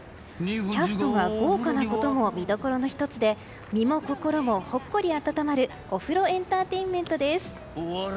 キャストが豪華なことも魅力の１つで身も心もほっこり温まるお風呂エンターテインメントです。